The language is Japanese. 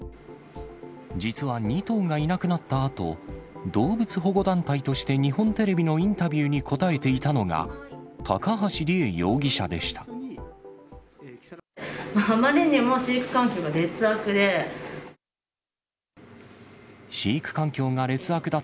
実は２頭がいなくなったあと、動物保護団体として日本テレビのインタビューに答えていたのが、あまりにも飼育環境が劣悪で。